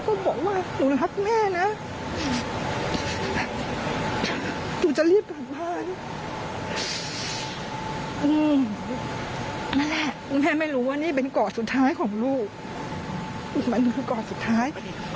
อีกวันลูกจะกอดแม่ทุกวันเลย